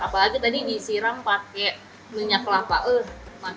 apalagi tadi disiram pakai minyak kelapa